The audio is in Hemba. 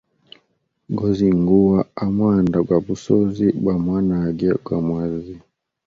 Gozingua a mwanda gwa busozi bwa mwanage gwa mwazi.